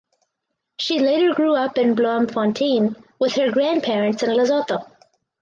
She later grew up in Bloemfontein with her grandparents and Lesotho.